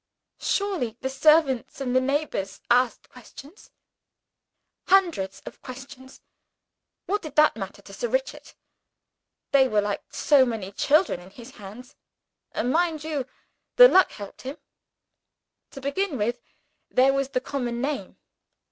"Surely, the servants and the neighbors asked questions?" "Hundreds of questions! What did that matter to Sir Richard? They were like so many children, in his hands. And, mind you, the luck helped him. To begin with, there was the common name.